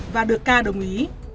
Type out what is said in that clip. và được ca đồng ý